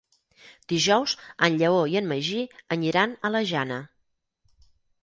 Dijous en Lleó i en Magí aniran a la Jana.